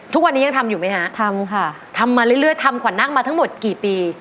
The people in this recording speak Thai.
ทุกวันนี้ยังทำอยู่ไหมฮะทำค่ะทำมาเรื่อยทำขวัญนั่งมาทั้งหมดกี่ปี